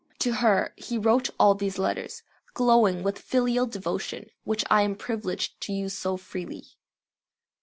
To her he wrote all these letters, glowing with filial devotion, which I am privileged to use so freely.